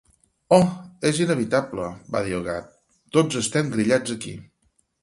"Oh, és inevitable", va dir el Gat: "tots estem grillats aquí".